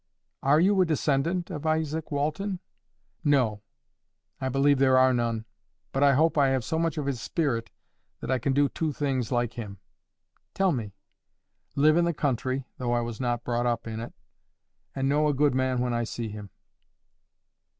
"Are you a descendant of Izaak Walton?" "No. I believe there are none. But I hope I have so much of his spirit that I can do two things like him." "Tell me." "Live in the country, though I was not brought up in it; and know a good man when I see him."